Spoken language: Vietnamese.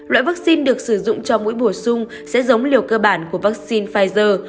loại vaccine được sử dụng cho mũi bổ sung sẽ giống liều cơ bản của vaccine pfizer